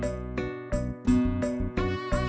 aku luar biasa tapi